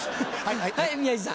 はい宮治さん。